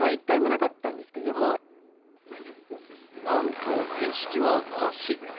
何と面識はなし。